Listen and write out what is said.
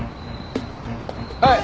はい。